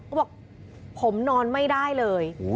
ก็บอกผมนอนไม่ได้เลย